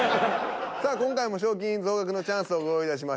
さあ今回も賞金増額のチャンスをご用意いたしました。